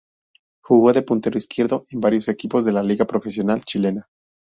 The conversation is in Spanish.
Jugó de puntero izquierdo, en varios equipos de la liga profesional chilena.